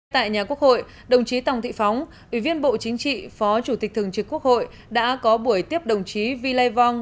tại nhà quốc hội đồng chí tòng thị phóng ủy viên bộ chính trị phó chủ tịch thường trực quốc hội đã có buổi tiếp đồng chí vy lai vang